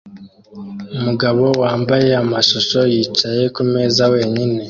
Umugabo wambaye amashusho yicaye kumeza wenyine